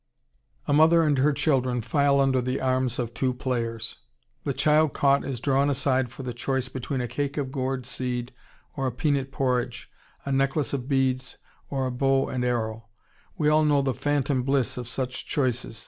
] A mother and her children file under the arms of two players. The child caught is drawn aside for the choice between a cake of gourd seed or a peanut porridge, a necklace of beads or a bow and arrow we all know the phantom bliss of such choices.